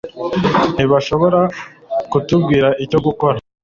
ntibashobora kutubwira icyo gukora